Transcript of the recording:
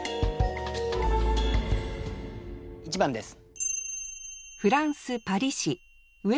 １番です。